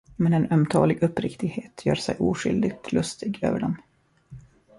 Men en ömtålig uppriktighet gör sig oskyldigt lustig över dem.